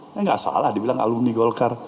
ini nggak salah dibilang alumni golkar